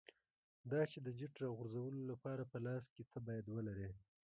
دا چې د جیټ د راغورځولو لپاره په لاس کې څه باید ولرې.